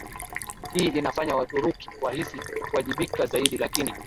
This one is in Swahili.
hii inafanya Waturuki wahisi kuwajibika zaidi Lakini